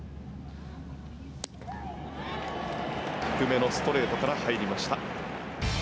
低めのストレートから入りました。